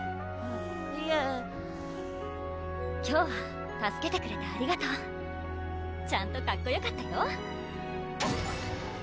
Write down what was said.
いえ今日は助けてくれてありがとうちゃんとかっこよかったよ！